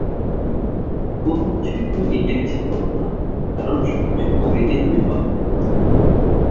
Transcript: কোন কিছুই তুমি নিজের ইচ্ছায় কর না, কারণ সবকিছু করিতেই তুমি বাধ্য।